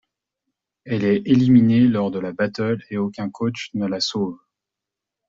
Elle est éliminée lors de la battle et aucun coach ne la sauve.